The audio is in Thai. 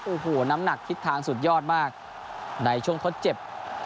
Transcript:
โอ้โหน้ำหนักทิศทางสุดยอดมากในช่วงทดเจ็บ